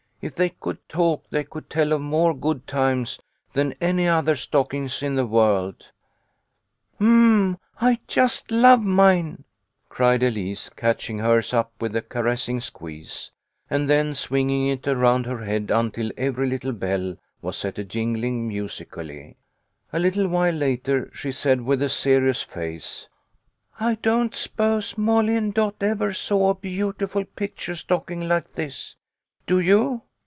If they could talk they could tell of more good times than any other stockings in the world" " Um ! I just love mine !" cried Elise, catching hers up with a caressing squeeze, and then swinging it around her head until every little bell was set a jingling musically. A little while later she said, with a serious face, " I don't s'pose Molly and Dot ever saw a beautiful picture stocking like this. Do you?